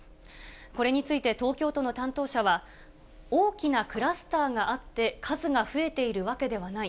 これについて東京都の担当者は、大きなクラスターがあって、数が増えているわけではない。